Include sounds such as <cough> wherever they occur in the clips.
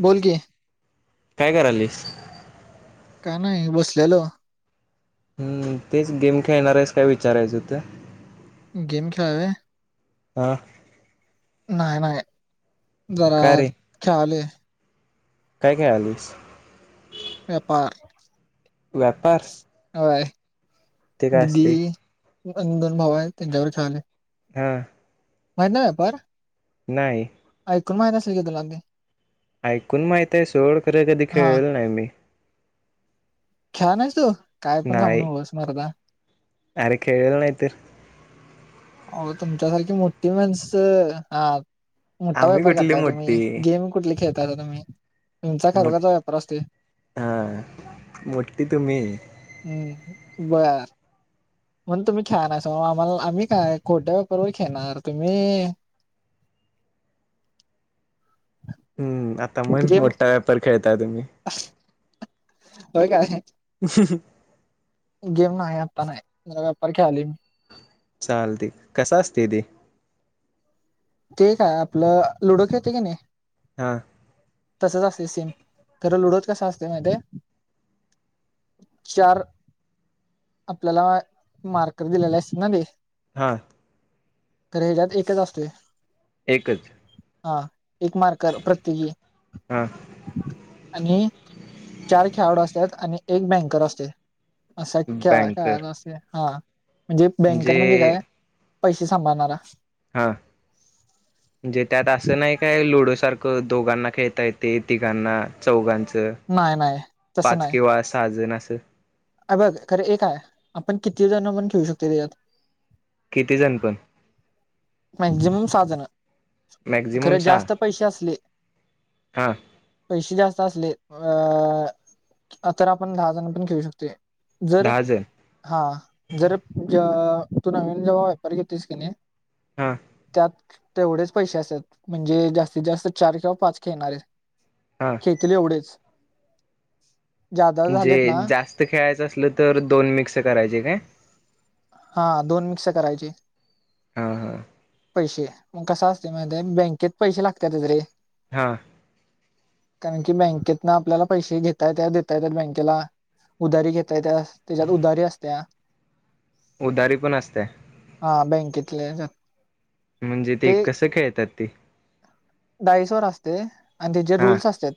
बोल की काय करालीस? काय नाही बसलेलो. हम्म तेच गेम खेळणार आहेस काय विचारायचं होतं. गेम खेळाय होय. हा. नाही नाही जरा का रे खेळालोय. काय खेळालायस. व्यापार व्यापार. होय. ते काय असते? अ दोन भाव आहेत त्यांच्यावर खेळालोय. हा. माहित नाही व्यापार. नाही. ऐकून माहित असेल की तुला ते. ऐकून माहित आहे सोड खरं कधी हा खेळलेलं नाही मी. खेळला नाहीस तू काय पण सांगू नकोस मर्दा. आरे खेळलो नाय तर. हो तुमच्यासारखी मोठी माणसं हा. मोठा आम्ही व्यापार कुठली करताय तुम्ही मोठी गेम कुठली खेळताय तुम्ही. तुमचा मो खरोखरचा व्यापार असतोय. हा मोठी तुम्ही. हम्म बर म्हणून तुम्ही खेळला नाहीसा बाबा आम्ही काय खोट्या व्यापार वर खेळणार तुम्ही. हम्म आता म्हण गेम मोठा व्यापार खेळताय तुम्ही. होय काय हं ह गेम नाही आता नाही जरा व्यापार खेळालोय मी. चालते कस असतंय ते? ते का आपलं लुडो खेळते की नाही हा तसच असते सेम खरं लुडोच कसा असते माहित हाय. चार आपल्याला मार्कर दिलेले अस ना ते. हा. तर हेच्यात एकच असतोय. एकच. हा एक मार्कर प्रत्येकी. हा आणि चार खेळाडू असतात आणि एक बँकर असतय असाख्या बँकर काय असते हा. म्हणजे बँकर म्हणजे काय पैसे सांभाळणारा. हा, म्हणजे त्यात असं नाही काय लुडो सारखं दोघांना खेळता येते तिघांना, चौघांचं नाही नाही तसं पाच नाही किंवा सहा जण असं. अ बघ खरं एकय आपण किती जण म्हण खेऊ शकतोय तिच्यात. किती जण पण? मॅक्झिमम सहा जण. मॅक्झिमम खर सहा जास्त पैसे असले, हा पैसे जास्त असले अ तर आपण दहा जण पण खेऊ शकतोय. जर दहा जण हा जर अ तू नवीन जेव्हा व्यापारी घेतोस की नाही हा त्यात तेवढेच पैसे असात म्हणजे जास्तीत जास्त चार किंवा पाच खेळणारे. हा खेळतील एवढेच. जादा जे झालेत ना जास्त खेळायचं असलं तर दोन मिक्स करायचे काय? हा दोन मिक्स करायची. हा हा. पैसे कस असतय माहित हाय बँकेत पैसे लागत्यातच रे. हा. कारण की बँकेत ना आपल्याला पैसे घेता येत देता येत बँकेला. उधारी घेत येत्या त्याच्यात उदारी आत्या. उधारी पण असते. हा बँकेतले. म्हणजे ते कसं खेळतात तेी डाईसवर असते आणि त्याचे हा रूल्स असत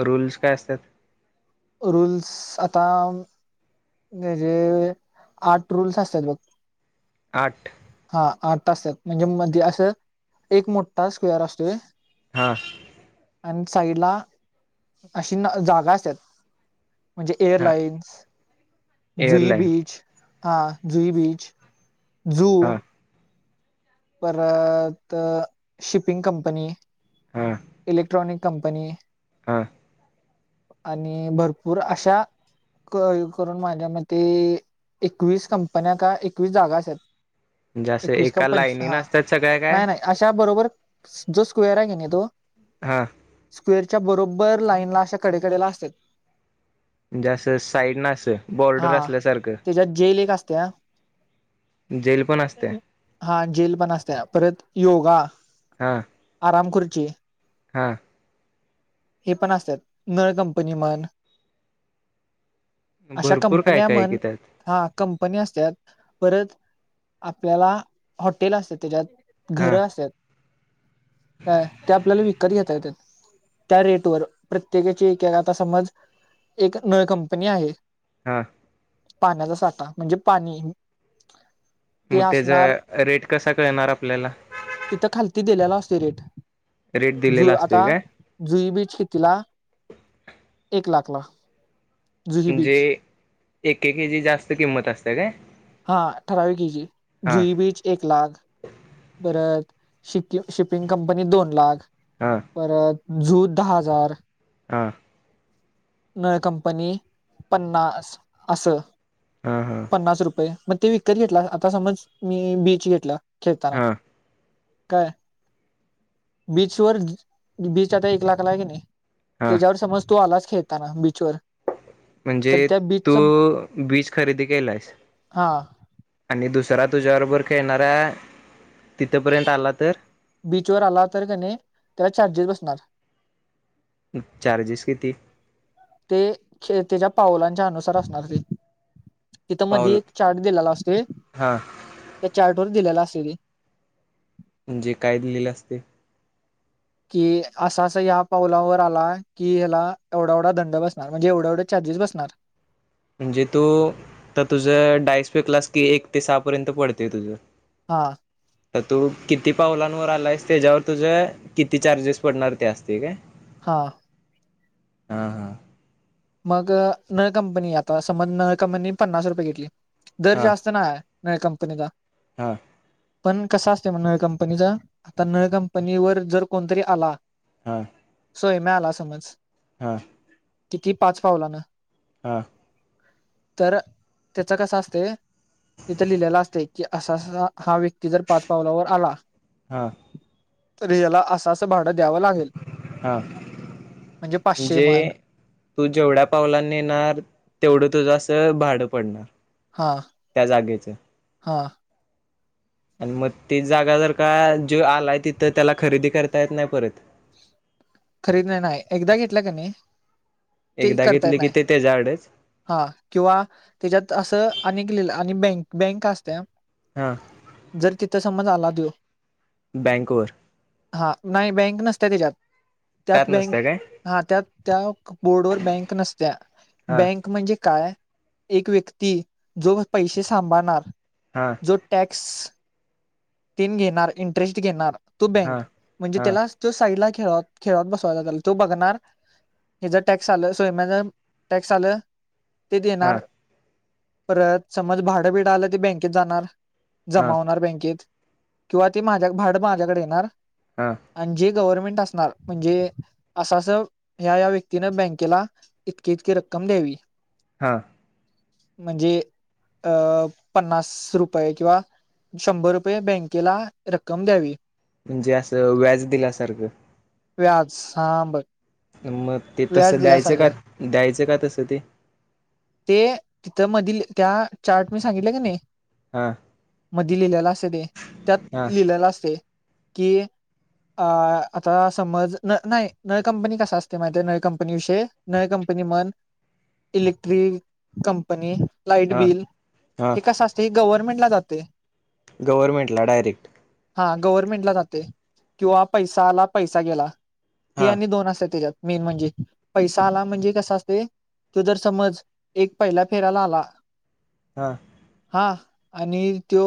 रूल्स काय असतात रल्स आताम म्हे आठ रूल्स असतात बघ आठ हा आठ त असतात म्हणजे मध्ये असं एक मोठा स्क्वेअर असतोय हा आणि साईडला अशी जागा असतात म्हणजे हा एअरलाइन्स जुई एअरलाईन बीच हा जुईबीज जू हा परत शिपिंग कंपनी हा इलेक्ट्रॉनिक कंपनी हा आणि भरपूर अशा क करून माझ्या म एकवीस कंपन्या का एकवीस जागा आहेत जस एका लाईन हा नाही नाही अशा बरोबर जो स्क्वेर आहे की नाही तो हा स्क्वेअरच्या बरोबर लाईनला अशा कडेकडेला असतेत जा अस साईडन अस बॉर्डर असल्यासारखं त्या जेल पण असते हा जेल पण असत्या परत योगा हम आम खुर्ची हम्म हे पण असतेत नळ कंपनी म्हण अशा भरपूर काय कंपन्या काय की म्हण त्यात हा कंपनी असतात परत आपल्याला हॉटेल असते त्याज्यात हा घरं असत काय ते आपल्याला विकत घेता येत्यात त्या रेट वर प्रत्येकेची एकेकाच समज एक नळ कंपनी आहे हम पाण्याचा साठा म्हणजे पाणी ते मग असणार त्याज्या रेट कसा कळणार आपल्याला लास्ट रेट रेट दिलेला जु आता असतोय काय जुईबीची शेतीला एक लाख ला जुई बीची एकेके ची जास्त किंमत असते काय हा ठरावीक केजी हा जुई बीच एक लाख परत शिकिंम शिपिंग कंपनी दोन लाख हा परत झूध दहा हजार हा नळ कंपनी पन्नास असं हा हा पन्नास रुपये मग ते विकत घेतला आता समज मी बीच घेतला खेळताना हा काय बीचवर बीच आता एक लाखाला आहे की नाही हा त्याच्यावर समज तो आलाच खेळताना बीच म्हणजे तू बीज खरेदी केलायस हा आणि दुसरा तुझ्या बरोबर खेळणारा तिथ पर्यंत आला तर बीचवर आला तर काय नाही त्याला चार्जेस बसणार चार्जेस किती ते त्याच्या पावलांच्या अनुसारा असणार ते तिथं मधी पाऊल चार्ट दिलेला असते हा त्या चार्ट बर दिलेला असेल म्हणजे काय दिलेलं असते कि असा अस या पावलावर आला की याला एवढा एवढा दंड बसणार म्हणजे एवढ एवढ <inaudible> बसणार म्हणजे तू तर तुझ डायस पेक्सला कि एक ते सहा पर्यंत पडतेय तुझं हा तर तू किती पावलांवर आलायस त्याच्यावर तुझ किती चार्जेस पडणार ते असतील्या हम हम हम मग नळ कंपनी आता समन्न कंपनी पन्नास रुपये घेतली दर जास्त नळा हाय नळ कंपनीला हम्म पण कसा असते म नळ कंपनीचा नळ कंपनी वर जर कोणतरी आला हम सोय मिळाला समज हम किती पाच पावलान हा तर त्याचा कस असतय तिथं लिहल्यालं असते कि असा हा व्यक्ती जर पाच पावलावर आला हा तरी याला असं असं भाडं द्यावं लागेल हा म्हणजे पाचशे म्हण तू जेवढ्या पावला येणार तेवढं तुझं असं भाडं पडणार हा त्या जागेचं हा आणि मग ती जागा जर का जे <unintelligible> आलाय तिथं त्याला खरेदी करता येत नाही परत <inaudible> खरीद नाही <unintelligible> ना एकदा घेतल का नाही ते एकदा करता येत घेतली की नाय ते त्याच्याकडेच हा किंवा त्याच्यात असं अनेक लिहिलं आणि बँक बँक असत्या हा त्या समज आला देऊ बँक वर हा नाही बँक नसत्या तेज्यांत त्यात नसत्या काय हा त्या त्या बोर्डवर बँक नसत्या हां बँक म्हणजे काय एक व्यक्ती जो पैसे सांभाळणार हां जो टॅक्स तीन घेणार इंटरेस्ट घेणार तो हा बँक म्हणजे हा त्याला तो साइड ला खेळत खेळत <unintelligible> बसवाात तो बघणार ह <unintelligible> जर टॅक्स आलं सोयम्या ज टॅक्स आलं ते हा देणार परत समज भाडंबिड आलं ते बँकेत जाणार हा जमा होणार बँकेत किंवा ते माझ्या भाड माझ्याकडे येणार हा आणि जे गवरमेंट असणार म्हणजे अस अस या या व्यक्तीनं बँक केला इतकी इतकी रक्कम संमदेवी <unintelligible> हा म्हणजे अ पन्नास रुपये किंवा शंभर- रुे <unintelligible> बँकेला रक्कम द्यावी म्हणजे असं व्याज दिल्यासारखं व्याज सांबर मग ते तसं द्यायचं का द्यायचं का तसं ते ते तिथं मधील त्या चार्ट मी सांगितल क नाही. हा मधी लिहिलेल्या असते ते त्यात हा लिहिलेला असते कि आता समज न नाही नळ कंपनी कस असते माही नव्या कंपनी विषय नवी कंपनी म्हण इलेक्ट्रिक कंपनी लाईट हा बिल हा हे कसं असत हे गव्हरर्मेंट ला जातय. गवरमेंटला डायरेक्ट. हा गव्हर्नमेंटला जाते किंवा पैसा आला पैसा गेला हे हा आणि दोन असते तेज्यात. मेन म्हणजे पैसा आला म्हणजे कसा असते. तू जर समज एक पहिला फेराला आला. हा. हा आणि तो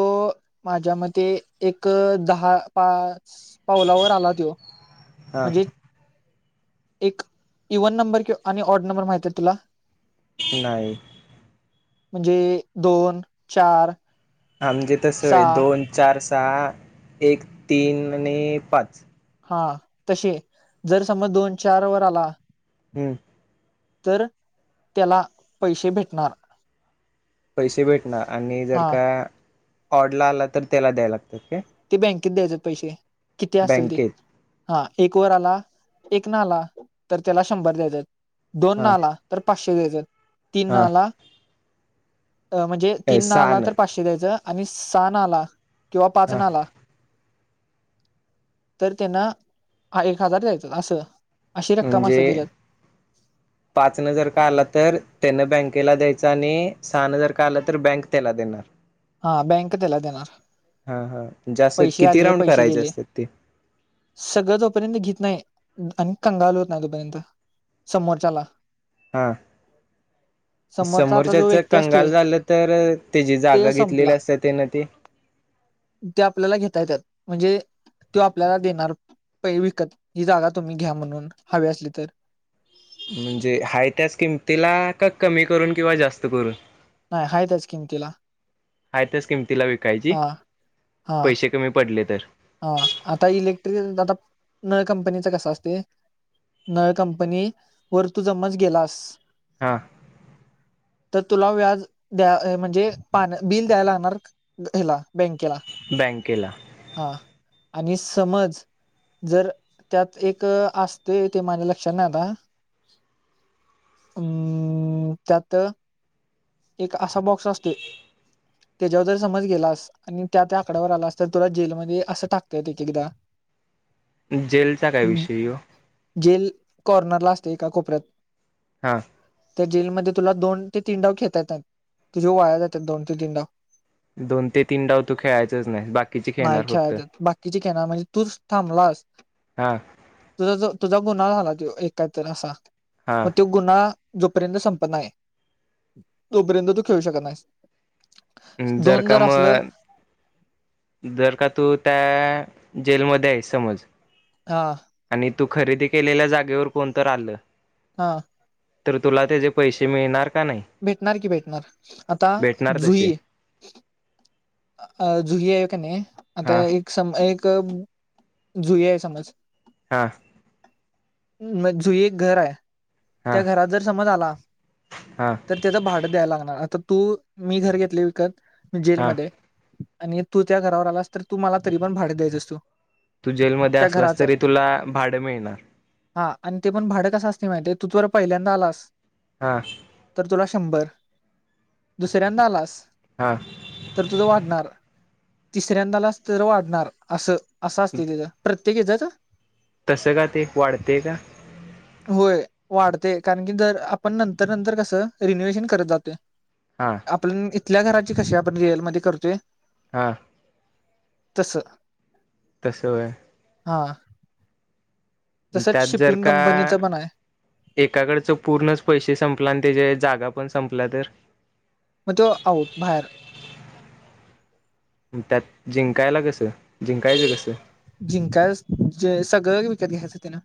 माझ्या मते एक दहा पा च पावलावर आला त्यो हा म्हणजे एक इव्हन नंबर किंवा आणि ऑड नंबर माहित आहेत तुला? नाही. म्हणजे दोन, चार आमजे तसय सहा दोन, चार, सहा, एक, तीन आणि पाच. हा तसे जर समज दोन चार वर आला. हम्म तर त्याला पैसे भेटणार पैसे भेटणार आणि जर हा का ऑडला आला तर तेला द्यायला लागतात काय ते बँकेत द्यायचे पैसे किती असतील ते. बँकेत हा एक वर आला एक ना आला तर त्याला शंभर द्यायचे. दोनं हां आला तर पाचशे द्यायचं तीनं हां आला म्हणजे तीनं सहा आला तर नाही पाचशे दयायचं आणि सहा आला किंवा पा हां प्रचनला तर त्यांना एक हजार द्यायचं असं. अशी रक्कम म्हणजे असते त्याच्यात पाच ने जर का आला तर त्यान. बँकेला द्यायच आणि सहाणे जर का आलं तर बँक त्याला देणार. हो बँक त्याला देणार. हा हा जास्त पैसे किती आलेय राऊंड पैसे करायचे गेले असतात ते सगळं जोपर्यंत घेत नाही. आणि कंगाल होत ना तोपर्यंत समोरच्याला. हा आ समोरचा आता जो समोरच्याच व्यक्ती असतोय कंगाल झालं तर तेजी जा ते संपला ते आपल्याला घेता येतात म्हणजे तो आपल्याला देणार पै विकत ही जागा तुम्ही घ्या म्हणून हवी असली तर. म्हणजे हाय त्याच किंमतीला का कमी करून किंवा जास्त करून. नाही आहे त्याच किंमतीला. काय जे पैसे कमी पडले तर. हा आता इलेक्ट्रिक आता नळ कंपनीचा कस असते. नळ कंपनी वर तू समज गेलास हो तर तुला व्याज द्या म्हणजे पा बिल द्यायला लागणार हला बँकेला. बँकेला. हा आणि समज. जर त्यात एक असतोय ते माझ्या लक्षात नाइ आता हम्म त्यात एक असा बॉक्स असतो. त्याच्यावर जर समज गेलास आणि त्या त्या आकड्यावर आलास तर तुला जेलमध्ये असं टाकतंय एक एकदा. जेलचा काय विषय यो जेल कॉर्नरला असतोय का कोपऱ्यात. हा. तर जेलमध्ये तुला दोन ते तीन डाव घेता येतात तुझे वाया जातात दोन ते तीन डाव. दोन ते तीन डाव तू खेळायचच नाही बाकीचे नाही खेळणार फक्त खेळाचत बाकीचे खेळणार म्हणजे तूच थांबला <inaudible> ह. तुझा जो तुझा गुन्हा झाला तो एक काहीतरी एक असा हा मग तो गुन्हा जोपर्यंत संपत नाही आहे जोपर्यंत तू खेळू शकत नाही जर का मग जर का तू त्या जेलमध्ये आहे समज हो आणि तू खरेदी केलेल्या जागेवर कोणतरी आलं हो तर तुला त्याचेे पैसे मिळणार का नाही भेटणार की भेटणार आता भेटणार तसे जुई अ जुई आहे का नाही आता हा एक सम एक जुय या समज हो मग जुई एक घर आहे हा त्या घरात जर समज आला हा तर त्याचं भाडं द्यायला लागणार आता तू मी घर घेतले विकत हा जेलमध्ये आणि तू त्या घरावर आलास तर तू मला तरी पण भाडे द्यायच असतो. तू जेलमध्ये असलास तरी तुला भाडं मिळणार. हा आणि ते पण भाडं कसं असते माहितीय आहे तू त पहिल्यांदा आलास हा. तर तुला शंभर दुसऱ्यांदा आलास हा. तुज वाढणार तिसऱ्यांदा आलास तर वाढणार अस असं असते तेज. ते घेतात. तसं का ते वाढतेय का? होय वाढते कारण की जर आपण नंतर नंतर कसं रिन्युवेशन करत जातोय. हा आपण इथल्या घराची कशी आपण रेअल मध्ये करतोय. हा. तसं. तसं होय. हा. तसंच त्यात जर शिपिंग का कंपनीच पण आहे एकाकडचं पूर्णच पैसे संपला आणि त्याचे जागा पण संपल्या तर. मग तो आउट बाहेर. त्यात जिंकायला कसं जिंकायचं कसं? जिंकाय ज सगळं विकत घ्यायचं तेन.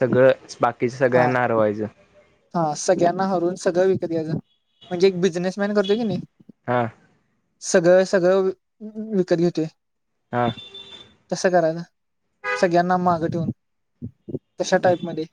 सगळंच बाकीच सगळ्यांना हरवायचं. हा सगळ्यांना हरवून सगळं विकत यायचं म्हणजे एक बिझनेसमॅन करतो की नाही. हा. सगळं सगळं विकत घेतोय. हा. करा ना सगळ्यांना मागं ठेवून कशा टाईप मध्ये.